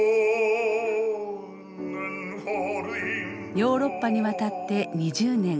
ヨーロッパに渡って２０年。